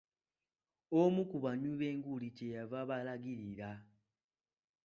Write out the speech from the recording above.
Omu ku banywi b'enguuli kyeyava abalagirira.